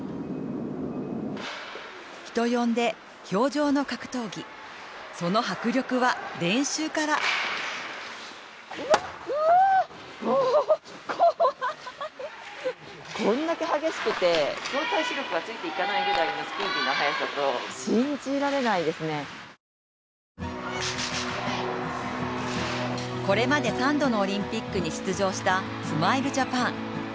人呼んで氷上の格闘技その迫力は練習からこれまで３度のオリンピックに出場したスマイルジャパン。